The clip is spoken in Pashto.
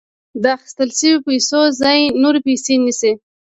د اخیستل شویو پیسو ځای نورې پیسې نیسي